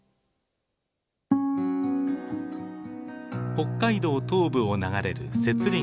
北海道東部を流れる雪裡川。